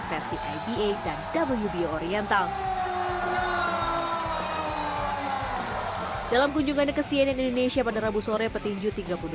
versi ipa dan wpo oriental dalam kunjungan kesian indonesia pada rabu sore petinju tiga puluh dua